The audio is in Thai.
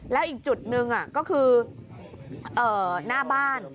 แล้วอีกจุดหนึ่งก็คือหน้าบ้าน